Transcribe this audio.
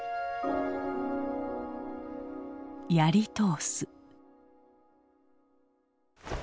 「やり通す」。